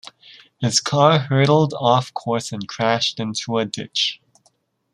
His car hurtled off course and crashed into a ditch.